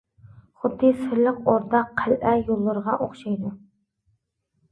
خۇددى سىرلىق ئوردا، قەلئە يوللىرىغا ئوخشايدۇ.